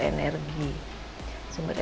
tangan and luka